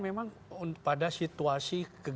memang pada situasi